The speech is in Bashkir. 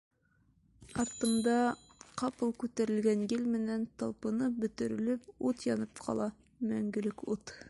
Артымда ҡапыл күтәрелгән ел менән талпынып-бөтөрөлөп ут янып ҡала, мәңгелек ут!..